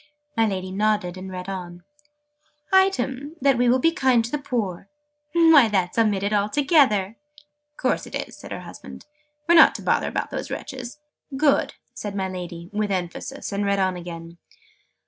My Lady nodded, and read on. "'Item, that we will be kind to the poor.' Why, that's omitted altogether!" "Course it is!" said her husband. "We're not going to bother about the wretches!" "Good," said my Lady, with emphasis, and read on again.